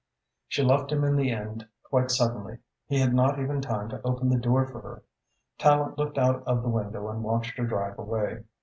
She left him in the end quite suddenly. He had not even time to open the door for her. Tallente looked out of the window and watched her drive away.